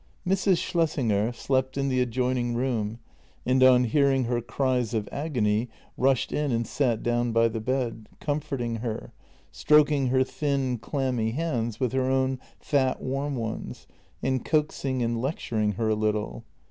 Mrs. Schlessinger slept in the adjoining room, and on hearing her cries of agony, rushed in and sat down by tire bed, com forting her, stroking her thin, clammy hands with her own fat, warm ones, and coaxing and lecturing her a little.